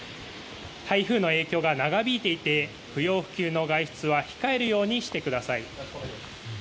台風の影響が長引いていて不要不急の外出は控えるようにしてください。